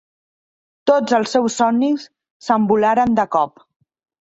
Tots els seus somnis s'envolaren de cop.